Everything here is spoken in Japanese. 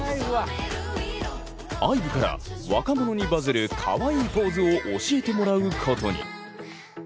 ＩＶＥから若者にバズるカワイイポーズを教えてもらうことに。